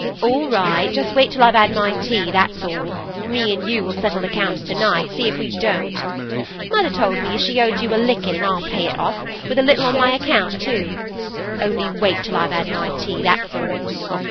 All right! just wait till I've 'ad my tea, that's all! Me an' you'll settle accounts to night, see if we don't. Mother told me as she owed you a lickin', and I'll pay it off, with a little on my own account too. Only wait till I've 'ad my tea, that's all.